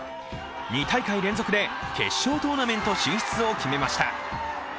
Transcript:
２大会連続で決勝トーナメント進出を決めました。